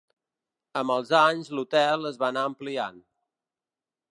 Amb els anys l'hotel es va anar ampliant.